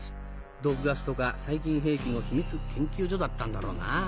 毒ガスとか細菌兵器の秘密研究所だったんだろうな。